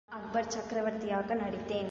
இதில் நான் அக்பர் சக்ரவர்த்தியாக நடித்தேன்.